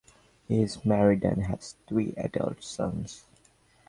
He is married and has three adult sons.